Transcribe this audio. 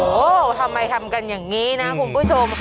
โอ้โหทำไมทำกันอย่างนี้นะคุณผู้ชม